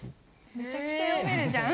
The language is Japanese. めちゃくちゃ読めるじゃん。